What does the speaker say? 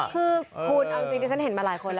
คุณจริงที่ฉันเห็นมาหลายคน